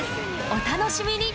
お楽しみに！